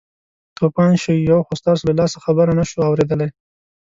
توپان شئ یو خو ستاسو له لاسه خبره نه شوو اورېدلی.